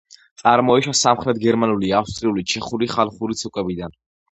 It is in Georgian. წარმოიშვა სამხრეთ გერმანული, ავსტრიული, ჩეხური ხალხური ცეკვებიდან.